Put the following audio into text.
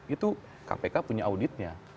itu kpk punya auditnya